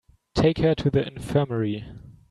Take her to the infirmary.